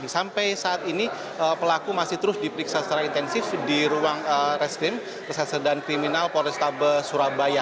sampai saat ini pelaku masih terus diperiksa secara intensif di ruang reskrim reserse dan kriminal polrestabes surabaya